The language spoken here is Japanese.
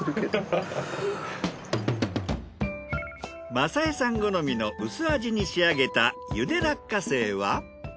正枝さん好みの薄味に仕上げた茹で落花生は？